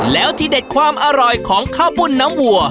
แล้วที่เด็ดความอร่อยของข้าวปุ้นน้ำวัว